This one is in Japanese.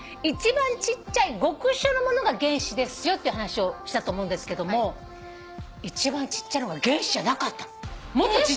一番ちっちゃい極小のものが原子ですよって話をしたと思うんですけども一番ちっちゃいのが原子じゃなかったの。